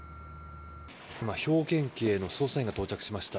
今、兵庫県警の捜査員が到着しました。